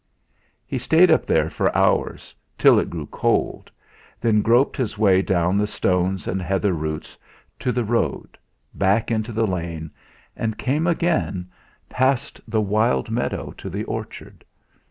He stayed up there for hours, till it grew cold, then groped his way down the stones and heather roots to the road, back into the lane, and came again past the wild meadow to the orchard.